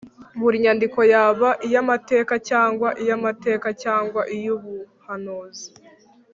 buri nyandiko, yaba iy’amateka, cyangwa iy’amategeko, cyangwa iy’ubuhanuzi